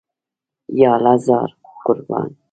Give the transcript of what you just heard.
یاله زار، قربان.